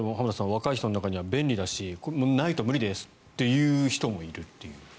若い人の中には便利だしないと無理ですという人もいる。